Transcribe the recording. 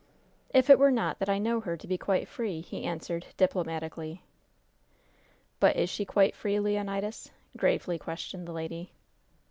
"If it were not that I know her to be quite free," he answered, diplomatically. "But is she quite free, Leonidas?" gravely questioned the lady.